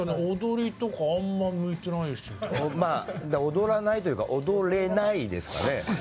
踊らないというか踊れないですかね。